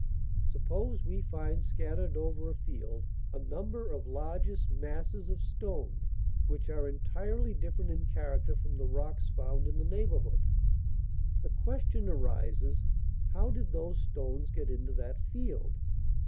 "Suppose we find scattered over a field a number of largish masses of stone, which are entirely different in character from the rocks found in the neighbourhood. The question arises, how did those stones get into that field?